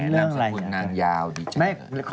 แนะนำสมคุณนางยาวดิจักร